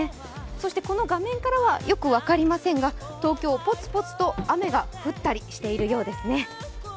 そしてこの画面からはよく分かりませんが東京、ポツポツと雨が降ったりしているようですね。